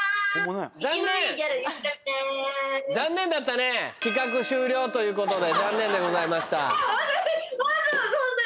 残念だったね企画終了ということで残念でございましたホントに？